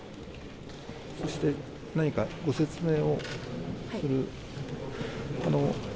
そして、何かご説明をすると。